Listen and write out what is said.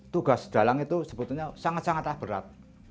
tugas dalang itu sebetulnya sangat sangatlah berat